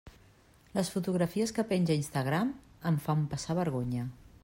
Les fotografies que penja a Instagram em fan passar vergonya.